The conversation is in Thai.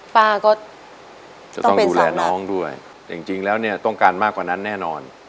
ป้าก็จะต้องดูแลน้องด้วยแต่จริงแล้วเนี่ยต้องการมากกว่านั้นแน่นอน